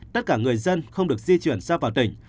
tất cả người dân không được di chuyển ra vào tỉnh